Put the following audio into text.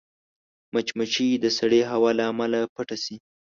مچمچۍ د سړې هوا له امله پټه شي